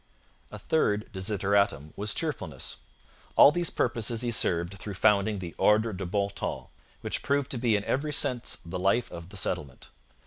A third desideratum was cheerfulness. All these purposes he served through founding the Ordre de Bon Temps, which proved to be in every sense the life of the settlement.